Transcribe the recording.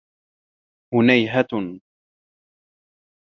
هُنَيْهةٌ.